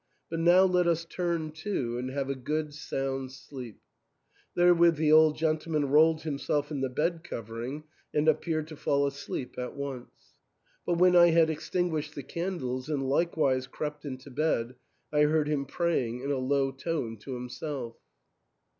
But now let us turn to and have a good sound sleep." There with the old gentleman rolled himself in the bed cover ing and appeared to fall asleep at once. But when I had extinguished the candles and likewise crept into bed, I heard him praying in a low tone to himself.